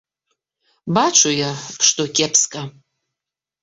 Бачу я, што кепска.